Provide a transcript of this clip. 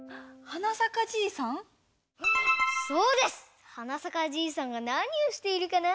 はな咲かじいさんがなにをしているかな？